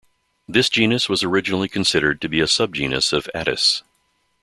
This genus was originally considered to be a subgenus of "Atys".